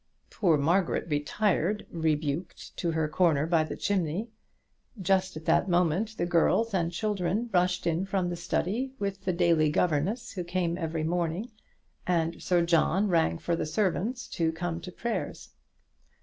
Poor Margaret retired, rebuked, to her corner by the chimney. Just at that moment the girls and children rushed in from the study, with the daily governess who came every morning, and Sir John rang for the servants to come to prayers.